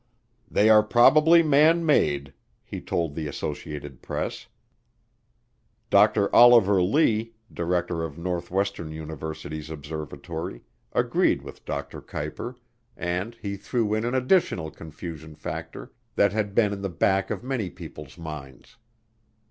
"They are probably man made," he told the Associated Press. Dr. Oliver Lee, director of Northwestern University's observatory, agreed with Dr. Kuiper and he threw in an additional confusion factor that had been in the back of many people's minds.